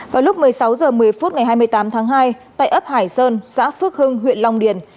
vào lúc một mươi sáu h một mươi phút ngày hai mươi tám tháng hai tại ấp hải sơn xã phước hưng huyện long điền